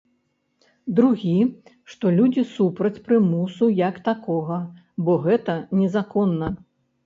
Другі, што людзі супраць прымусу як такога, бо гэта незаконна.